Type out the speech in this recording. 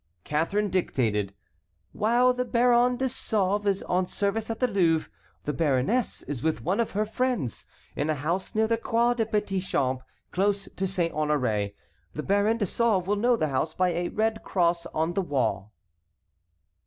Catharine dictated: "While the Baron de Sauve is on service at the Louvre the baroness is with one of her friends, in a house near the Croix des Petits Champs, close to Saint Honoré. The Baron de Sauve will know the house by a red cross on the wall."